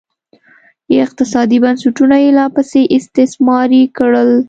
اقتصادي بنسټونه یې لاپسې استثماري کړل